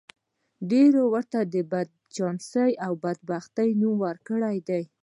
ډېرو ورته د بدچانسۍ او بدبختۍ نوم ورکړی دی.